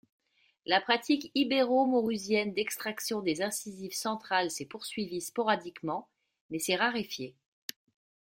La pratique ibéromaurusienne d'extraction des incisives centrales s'est poursuivie sporadiquement, mais s'est raréfiée.